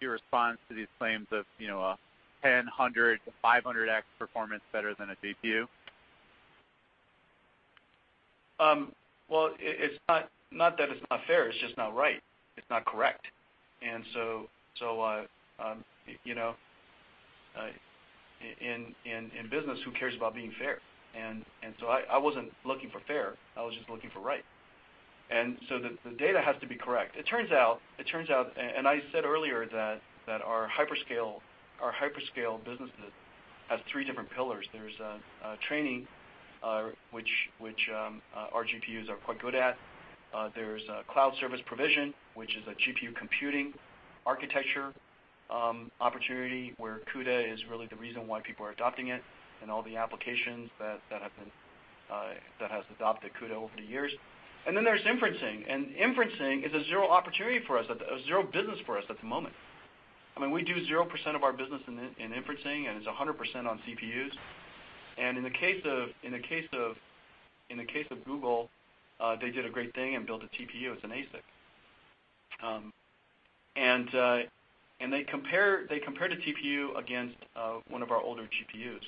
M: Your response to these claims of a 10, 100x-500x performance better than a GPU?
E: Well, it's not that it's not fair, it's just not right. It's not correct. In business, who cares about being fair? I wasn't looking for fair, I was just looking for right. The data has to be correct. It turns out, and I said earlier that our hyperscale businesses have three different pillars. There's training, which our GPUs are quite good at. There's cloud service provision, which is a GPU computing architecture opportunity, where CUDA is really the reason why people are adopting it, and all the applications that has adopted CUDA over the years. Then there's inferencing, and inferencing is a zero business for us at the moment. We do 0% of our business in inferencing, and it's 100% on CPUs. In the case of Google, they did a great thing and built a TPU. It's an ASIC. They compared a TPU against one of our older GPUs.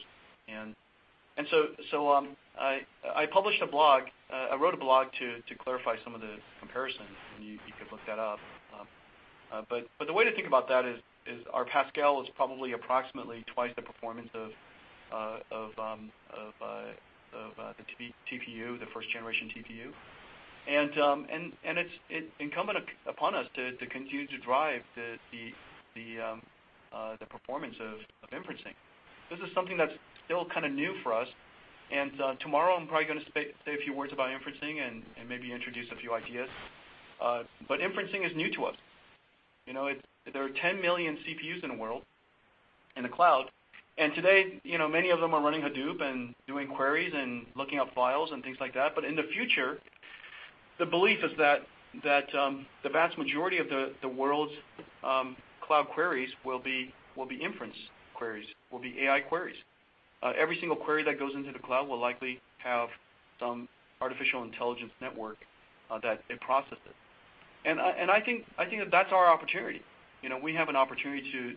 E: I wrote a blog to clarify some of the comparisons, and you could look that up. The way to think about that is our Pascal is probably approximately twice the performance of the first generation TPU. It's incumbent upon us to continue to drive the performance of inferencing. This is something that's still kind of new for us, and tomorrow I'm probably going to say a few words about inferencing and maybe introduce a few ideas. Inferencing is new to us. There are 10 million CPUs in the world, in the cloud, and today, many of them are running Hadoop and doing queries and looking up files and things like that. In the future, the belief is that the vast majority of the world's cloud queries will be inference queries, will be AI queries. Every single query that goes into the cloud will likely have some artificial intelligence network that it processes. I think that that's our opportunity. We have an opportunity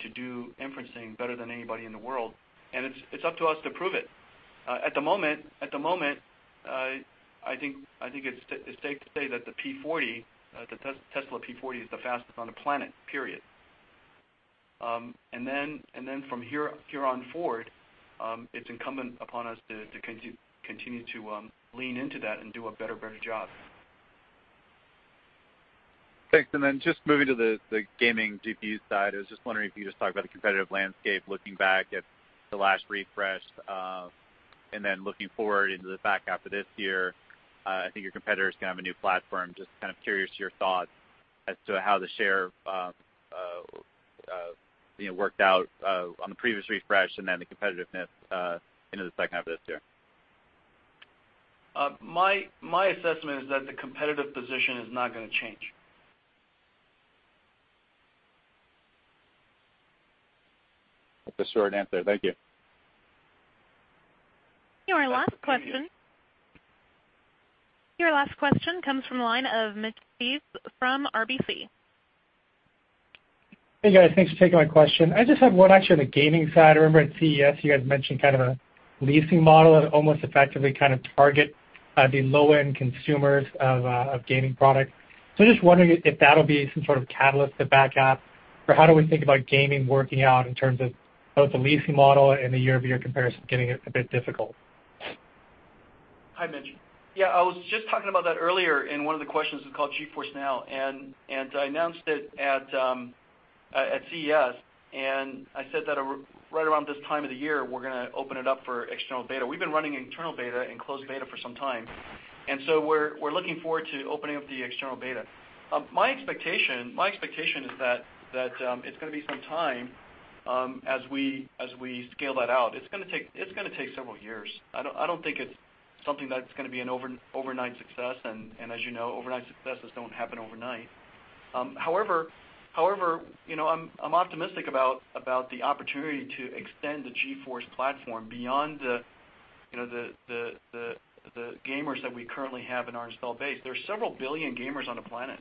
E: to do inferencing better than anybody in the world, and it's up to us to prove it. At the moment, I think it's safe to say that the Tesla P40 is the fastest on the planet, period. From here on forward, it's incumbent upon us to continue to lean into that and do a better job.
M: Thanks. Just moving to the gaming GPU side, I was just wondering if you could just talk about the competitive landscape looking back at the last refresh, and then looking forward into the fact after this year, I think your competitors can have a new platform. Just kind of curious to your thoughts as to how the share worked out on the previous refresh and then the competitiveness into the second half of this year.
E: My assessment is that the competitive position is not going to change.
M: That's a short answer. Thank you.
A: Your last question comes from the line of Mitch Steves from RBC.
N: Hey, guys. Thanks for taking my question. I just have one actually on the gaming side. I remember at CES, you guys mentioned kind of a leasing model that almost effectively kind of target the low-end consumers of gaming product. Just wondering if that'll be some sort of catalyst to back half, or how do we think about gaming working out in terms of both the leasing model and the year-over-year comparison getting a bit difficult?
E: Hi, Mitch. Yeah, I was just talking about that earlier in one of the questions. It's called GeForce NOW. I announced it at CES, and I said that right around this time of the year, we're going to open it up for external beta. We've been running internal beta and closed beta for some time. We're looking forward to opening up the external beta. My expectation is that it's going to be some time as we scale that out. It's going to take several years. I don't think it's something that's going to be an overnight success, and as you know, overnight successes don't happen overnight. However, I'm optimistic about the opportunity to extend the GeForce platform beyond the gamers that we currently have in our installed base. There's several billion gamers on the planet,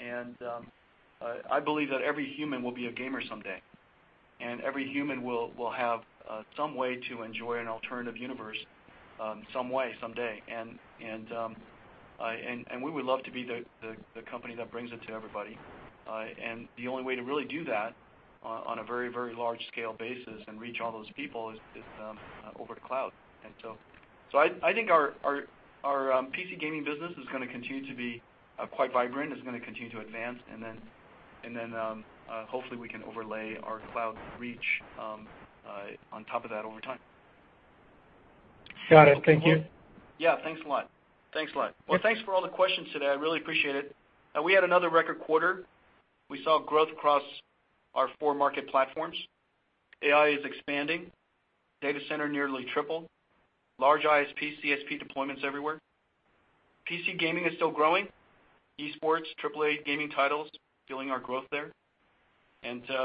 E: and I believe that every human will be a gamer someday. Every human will have some way to enjoy an alternative universe, some way, someday. We would love to be the company that brings it to everybody. The only way to really do that on a very large scale basis and reach all those people is over the cloud. I think our PC gaming business is going to continue to be quite vibrant. It's going to continue to advance, then hopefully we can overlay our cloud reach on top of that over time.
N: Got it. Thank you.
E: Yeah. Thanks a lot. Well, thanks for all the questions today. I really appreciate it. We had another record quarter. We saw growth across our four market platforms. AI is expanding. Data center nearly tripled. Large ISP, CSP deployments everywhere. PC gaming is still growing. Esports, AAA gaming titles fueling our growth there.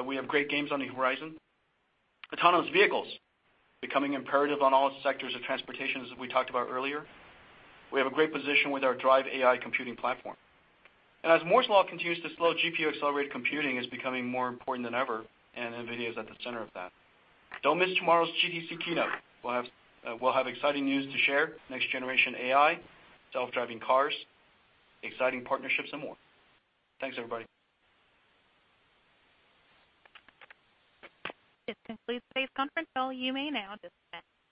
E: We have great games on the horizon. Autonomous vehicles becoming imperative on all sectors of transportation, as we talked about earlier. We have a great position with our DRIVE AI computing platform. As Moore's Law continues to slow, GPU-accelerated computing is becoming more important than ever, and NVIDIA is at the center of that. Don't miss tomorrow's GTC keynote. We'll have exciting news to share, next generation AI, self-driving cars, exciting partnerships, and more. Thanks, everybody.
A: This concludes today's conference call. You may now disconnect.